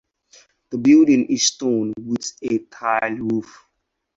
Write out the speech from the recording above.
The building is stone, with a tile roof.